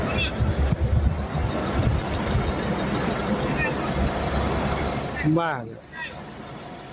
พูดใบไม่ออกมาได้นะครับ